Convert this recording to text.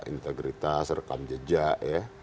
integritas rekam jejak ya